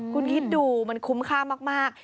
คุณคิดดูมันคุ้มค่ามาก